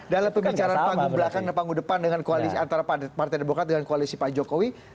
dalam pembicaraan panggung belakang dan panggung depan dengan koalisi antara partai demokrat dengan koalisi pak jokowi